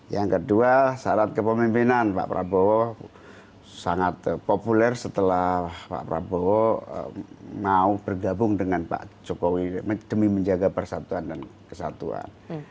yang kedua syarat kepemimpinan pak prabowo sangat populer setelah pak prabowo mau bergabung dengan pak jokowi demi menjaga persatuan dan kesatuan